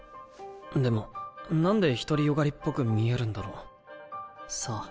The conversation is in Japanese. でもなんで独り善がりっぽく見えるんだろう？さあ？